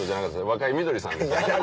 若井みどりさんでした。